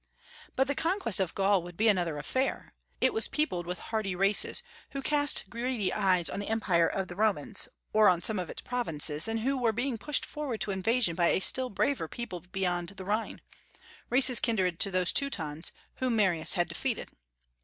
But the conquest of Gaul would be another affair. It was peopled with hardy races, who cast their greedy eyes on the empire of the Romans, or on some of its provinces, and who were being pushed forward to invasion by a still braver people beyond the Rhine, races kindred to those Teutons whom Marius had defeated.